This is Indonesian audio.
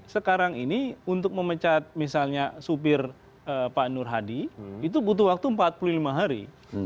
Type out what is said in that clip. sekarang ini untuk memecat misalnya supir pak nur hadi itu butuh waktu empat puluh lima hari